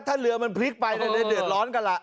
ถ้าเรือมันพลิกไปเลยเดือดร้อนกันล่ะ